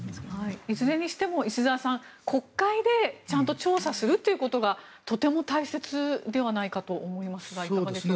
いずれにしても、石澤さん国会でちゃんと調査することがとても大切ではないかと思いますが、いかがでしょう。